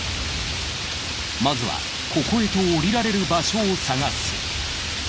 まずはここへと下りられる場所を探す。